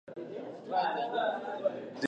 موږ باید د ده له عشقه الهام واخلو.